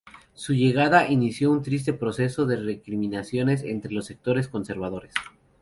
Su llegada inició un triste proceso de recriminaciones entre los sectores conservadores.